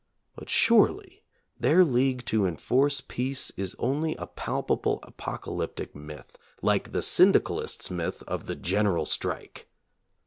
But surely their League to Enforce Peace is only a palpable apocalyptic myth, like the syndicalists' myth of the "general strike."